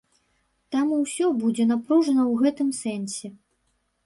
Таму ўсё будзе напружана ў гэтым сэнсе.